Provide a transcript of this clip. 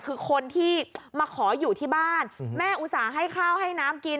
คือคนที่มาขออยู่ที่บ้านแม่อุตส่าห์ให้ข้าวให้น้ำกิน